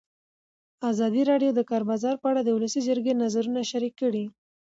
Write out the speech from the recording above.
ازادي راډیو د د کار بازار په اړه د ولسي جرګې نظرونه شریک کړي.